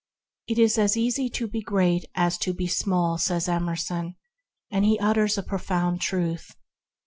"It is as easy to be great as to be small," says Emerson; and he utters a profound truth.